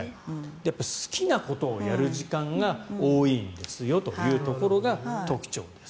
好きなことをやる時間が多いんですよというところが特徴です。